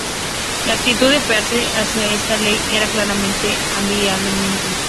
La actitud de Pearse hacia esta ley era claramente ambivalente.